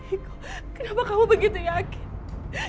eko kenapa kamu begitu yakin